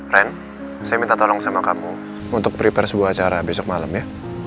ren saya minta tolong sama kamu untuk prepare sebuah acara besok malam ya